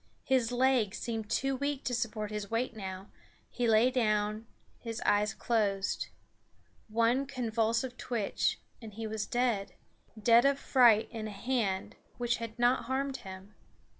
His legs seemed too weak to support his weight now; he lay down; his eyes closed. One convulsive twitch and he was dead dead of fright in a hand which had not harmed him.